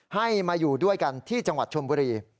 ให้มาอยู่ด้วยกันที่จังหวัดชมบุรี